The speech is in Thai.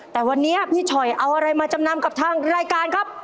แต่วันนี้พี่ฉอยเอาอะไรมาจำนำกับทางรายการครับ